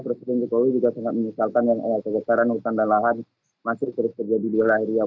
presiden jokowi juga sangat menyesalkan yang kebakaran hutan dan lahan masih terus terjadi di wilayah riau